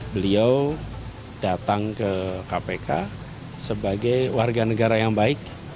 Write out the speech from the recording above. beliau datang ke kpk sebagai warga negara yang baik